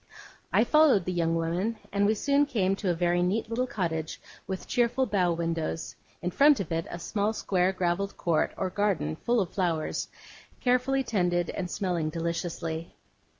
I followed the young woman, and we soon came to a very neat little cottage with cheerful bow windows: in front of it, a small square gravelled court or garden full of flowers, carefully tended, and smelling deliciously.